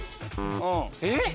えっ？